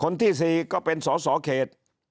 ที่๔ก็เป็นสอสอเขต